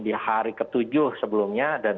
di hari ke tujuh sebelumnya dan